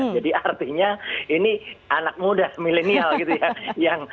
jadi artinya ini anak muda milenial gitu ya